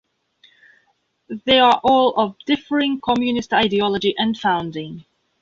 They are all of differing communist ideology and founding.